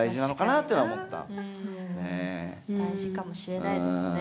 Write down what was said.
大事かもしれないですね。